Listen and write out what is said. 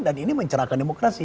dan ini mencerahkan demokrasi